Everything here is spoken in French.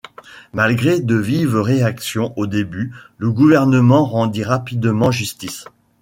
Malgré de vives réactions au début, le gouvernement rendit rapidement justice.